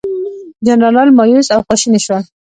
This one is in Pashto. جنرالان مأیوس او خواشیني شول.